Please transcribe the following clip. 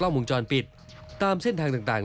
และที่จะมีความคิดขึ้นกับคุณ